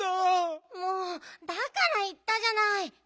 もうだからいったじゃない。